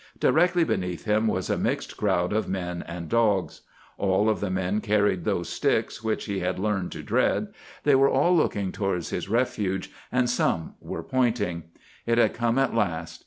Directly beneath him was a mixed crowd of men and dogs. All of the men carried those sticks which he had learned to dread; they were all looking towards his refuge, and some were pointing. It had come at last.